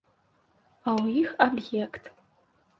А ў іх аб'ект.